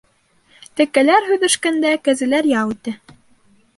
Тәкәләр һөҙөшкәндә, кәзәләр ял итә.